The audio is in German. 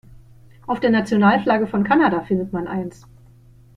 Auf der Nationalflagge von Kanada findet man eins.